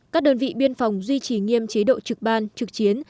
các đơn vị biên phòng duy trì nghiêm chế độ trực ban trực chiến